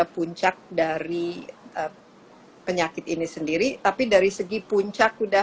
mungkin masih sampai itu aja saja khususnya